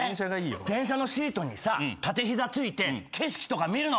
電車のシートにさ立て膝ついて景色とか見るの。